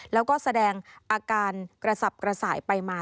แล้วก็แสดงอาการกระสับกระส่ายไปมา